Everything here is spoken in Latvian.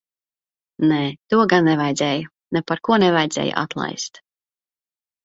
Nē, to gan nevajadzēja. Neparko nevajadzēja atlaist.